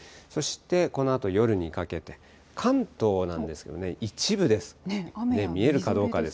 そして、このあと夜にかけて、関東なんですけどね、一部です、見えるかどうか。